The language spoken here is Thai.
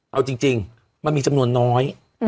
เอาจริงมันมีจำนวนน้อย